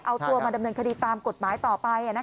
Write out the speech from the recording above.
เอาตัวมาดำเนินคดีตามกฎหมายต่อไป